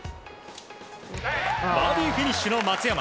バーディーフィニッシュの松山。